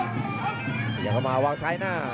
อีกแล้วผมมาช้าของสายหน้า